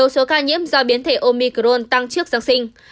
cũng do biến thể omicron tăng trước giáng sinh